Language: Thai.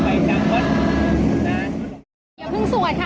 เดี๋ยวพึ่งสวดค่ะ